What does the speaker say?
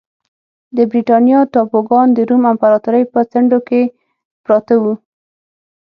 د برېټانیا ټاپوګان د روم امپراتورۍ په څنډو کې پراته وو